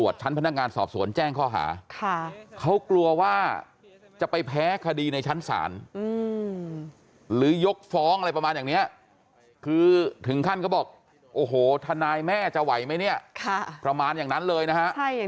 ใช่อย่างที่บอกว่าวันนี้แฮชแท็กธนายแม่เต็มเป็นคอมพิวเตอร์อันดับต้นเลยอ่ะ